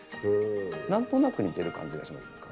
何となく似てる感じがしませんか？